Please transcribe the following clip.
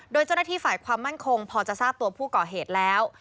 โดยเจ้าหน้าที่ฝ่ายความมั่นคงพอจะทราบตัวผู้ก่อเหตุแล้ว